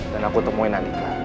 dan aku temuin andika